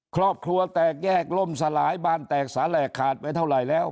ครอบครัวแตกแยกล่มสลายบ้านแตกสาแหลกขาดไปเท่าไหร่แล้ว